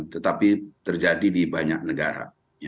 tetapi terjadi di banyak negara